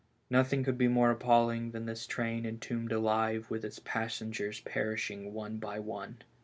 Nothing could be more appalling than this train entombed alive with its passengers perishing one by one.